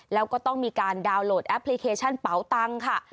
แล้วก็ต้องมีการดาวน์โหลดแอปพลิเคชันเป๋าตังค์ค่ะ